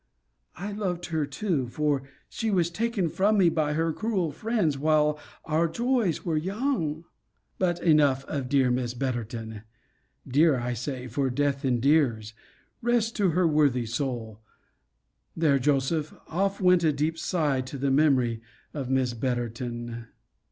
I loved her too for she was taken from me by her cruel friends, while our joys were young. But enough of dear Miss Betterton. Dear, I say; for death endears. Rest to her worthy soul! There, Joseph, off went a deep sigh to the memory of Miss Betterton!